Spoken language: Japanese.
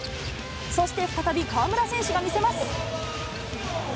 そして再び河村選手が見せます。